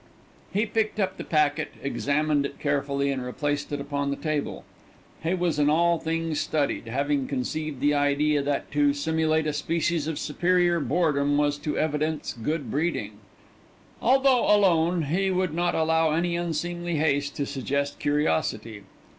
He picked up the packet, examined it carefully, and replaced it upon the table. He was in all things studied, having conceived the idea that to simulate a species of superior boredom was to evidence good breeding. Although alone, he would not allow any unseemly haste to suggest curiosity.